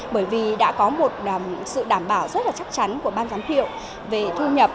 bởi vì đã có một sự đảm bảo rất là chắc chắn của ban giám hiệu về thu nhập